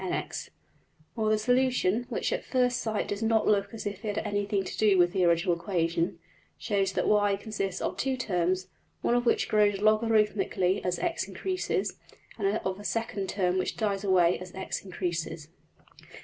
\] Or, the solution, which at first sight does not look as if it had anything to do with the original equation, shows that $y$~consists of two terms, one of which grows logarithmically as $x$~increases, and of a second term which dies away as $x$~increases.